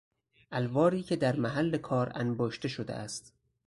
الواری که در محل کار انباشته شده است